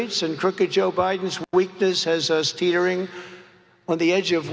dan kelemahan joe biden yang menyerang kita di sisi tiga